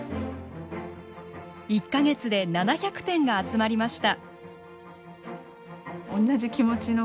１か月で７００点が集まりました。